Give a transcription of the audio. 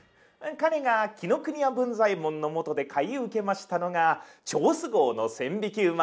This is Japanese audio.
彼が紀伊国屋文左衛門のもとで買い受けましたのが趙子昂の「千匹馬」。